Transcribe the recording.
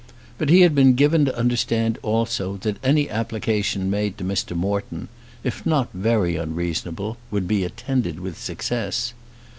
But he had been given to understand also that any application made to Mr. Morton, if not very unreasonable, would be attended with success.